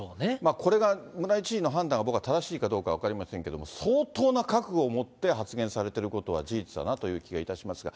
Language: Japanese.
これが村井知事の判断が、僕は正しいかどうか分かりませんけれども、相当な覚悟をもって発言されてることは事実だなという気はいたしますが。